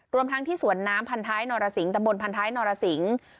รวมทั้งที่สวนน้ำพันท้ายนรสิงตะบนพันท้ายนรสิง